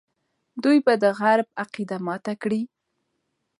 دوی به د غرب عقیده ماته کړي.